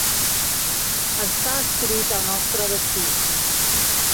Està escrit al nostre destí.